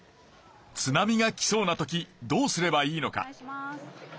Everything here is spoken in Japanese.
津波が来そうな時どうすればいいのか？